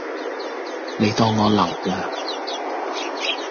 你當我流㗎